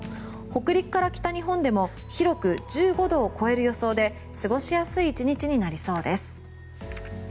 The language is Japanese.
北陸から北日本でも広く１５度を超える予想で過ごしやすい１日になりそうです。